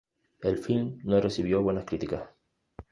El film no recibió buenas críticas.